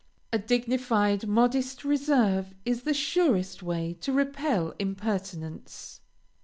A dignified, modest reserve is the surest way to repel impertinence.